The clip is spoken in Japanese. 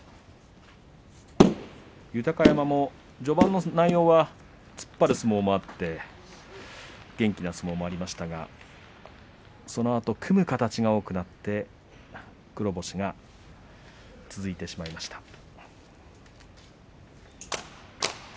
豊山も序盤の内容は突っ張る相撲もあって元気な相撲もありましたがそのあと組む形が多くなって黒星が続いてしまいました。